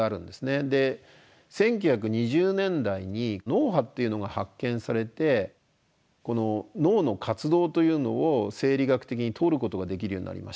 １９２０年代に脳波っていうのが発見されてこの脳の活動というのを生理学的に取ることができるようになりました。